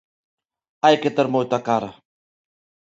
¡Hai que ter moita cara!